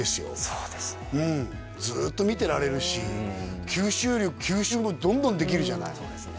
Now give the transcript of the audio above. そうですねずっと見てられるし吸収力吸収もどんどんできるじゃないそうですね